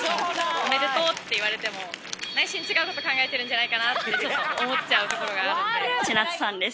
おめでとうって言われても、内心違うこと考えてるんじゃないかなとちょっと思っちゃうとこが千夏さんです。